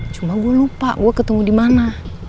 cuma gue lupa gue ketemu di mana